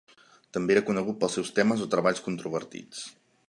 També era conegut pels seus temes o treballs controvertits.